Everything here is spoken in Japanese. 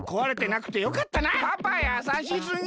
パパやさしすぎ。